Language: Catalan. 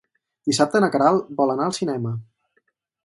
Dissabte na Queralt vol anar al cinema.